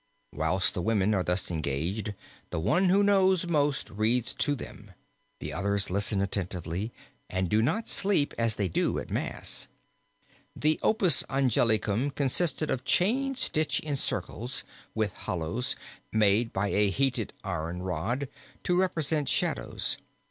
Whilst the women are thus engaged, the one who knows most reads to them, the others listen attentively, and do not sleep as they do at mass, 'pur la prise de vanite dont ont grant leesce (joy).' The 'opus anglicum' consisted of chain stitch in circles, with hollows, made by a heated iron rod, to represent shadows.